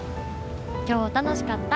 今日楽しかった。